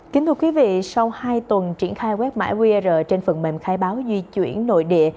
kính thưa quý vị sau hai tuần triển khai quét mã qr trên phần mềm khai báo di chuyển nội địa